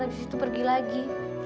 habis itu pergi lagi